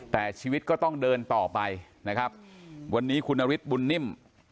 แต่ชีวิตก็ต้องเดินต่อไปนะครับวันนี้คุณนฤทธิบุญนิ่ม